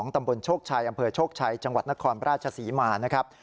ตำบลโชคชัยอำเภอโชคชัยจังหวัดนครราชศรีมานะครับ